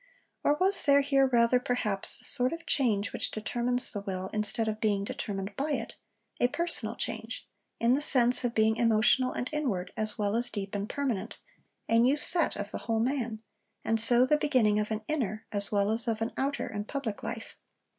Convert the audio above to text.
Or was there here rather, perhaps, the sort of change which determines the will instead of being determined by it a personal change, in the sense of being emotional and inward as well as deep and permanent a new set of the whole man, and so the beginning of an inner as well as of an outer and public life?